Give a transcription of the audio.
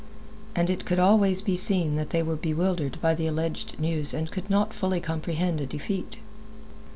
And it could always be seen that they were bewildered by the alleged news and could not fully comprehend a defeat.